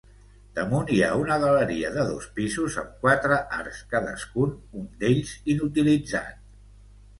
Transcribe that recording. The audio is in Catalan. Damunt hi ha una galeria de dos pisos amb quatre arcs cadascun, un d'ells inutilitzat.